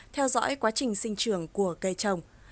theo dõi quá trình sinh trường của cây trồng